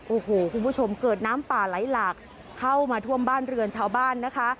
โอ้โหคุณผู้ชมเกิดน้ำป่าไหลหลากเข้ามาท่วมบ้านเรือนชาวบ้านนะคะ